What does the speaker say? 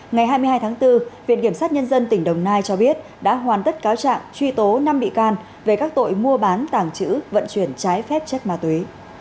ngày hai mươi hai tháng bốn viện kiểm sát nhân dân tỉnh đồng nai cho biết đã hoàn tất cáo trạng truy tố năm bị can về các tội mua bán tàng trữ vận chuyển trái phép chất ma túy